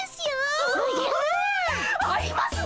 ありますね！